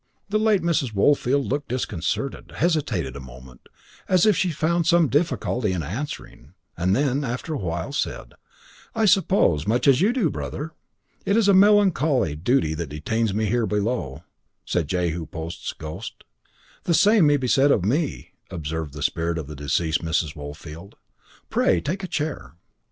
The late Mrs. Woolfield looked disconcerted, hesitated a moment, as if she found some difficulty in answering, and then, after a while, said: "I suppose, much as do you, brother." "It is a melancholy duty that detains me here below," said Jehu Post's ghost. "The same may be said of me," observed the spirit of the deceased Mrs. Woolfield. "Pray take a chair."